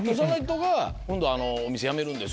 「今度お店辞めるんです」